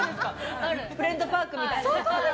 「フレンドパーク」みたいな。